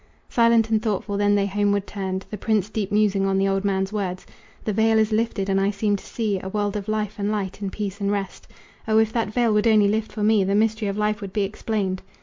Silent and thoughtful then they homeward turned, The prince deep musing on the old man's words; "'The veil is lifted, and I seem to see A world of life and light and peace and rest.' O if that veil would only lift for me The mystery of life would be explained."